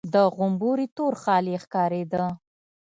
د غومبري تور خال يې ښکارېده.